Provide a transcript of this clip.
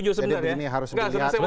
jadi begini harus dilihat